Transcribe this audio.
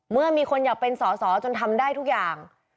เมื่อมีคนอยากเป็นสอสอจนทำได้ทุกอย่าง